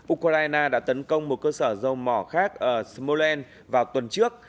ukraine đã tấn công một cơ sở dầu mỏ khác ở smolensk vào tuần trước